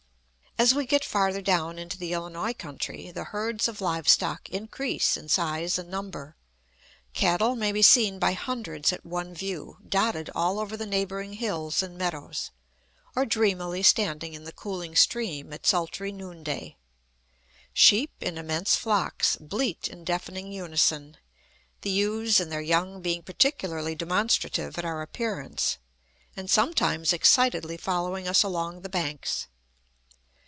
As we get farther down into the Illinois country, the herds of live stock increase in size and number. Cattle may be seen by hundreds at one view, dotted all over the neighboring hills and meadows, or dreamily standing in the cooling stream at sultry noonday. Sheep, in immense flocks, bleat in deafening unison, the ewes and their young being particularly demonstrative at our appearance, and sometimes excitedly following us along the banks.